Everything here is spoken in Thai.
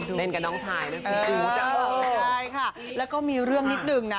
เด้นกับน้องชายด้วยดูจังเออใช่ค่ะแล้วก็มีเรื่องนิดหนึ่งนะ